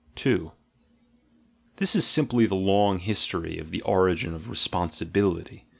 2. This is simply the long history of the origin of respon sibility.